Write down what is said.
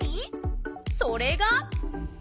それが。